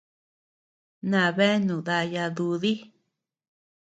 Nabeánu daya dudi.